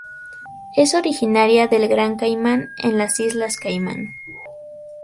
Es originaria de Gran Caimán en las Islas Caimán.